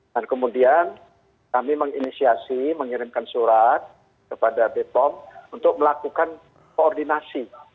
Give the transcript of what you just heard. dan kemudian kami menginisiasi mengirimkan surat kepada bepom untuk melakukan koordinasi